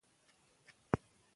رښتیا لار ښيي.